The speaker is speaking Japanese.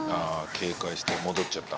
警戒して戻っちゃった。